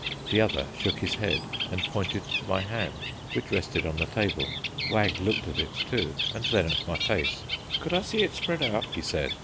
The other shook his head and pointed to my hand which rested on the table. Wag looked at it too, and then at my face. "Could I see it spread out?" he said.